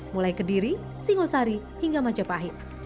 mulai kediri singosari hingga majapahit